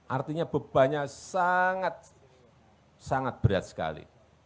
artinya bebannya sangat sangat berat sekali